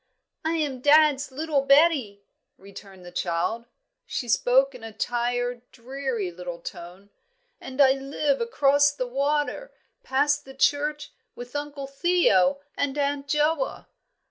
"I am dad's little Betty," returned the child. She spoke in a tired, dreary little tone, "and I live across the water, past the church, with Uncle Theo and Aunt Joa."